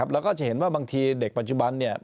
แล้วก็จะเห็นว่าบางทีเด็กปัจจุบันเนี่ย